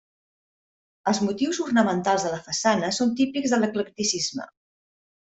Els motius ornamentals de la façana són típics de l'eclecticisme.